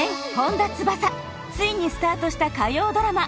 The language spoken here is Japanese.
ついにスタートした火曜ドラマ